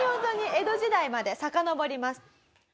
江戸時代までさかのぼります。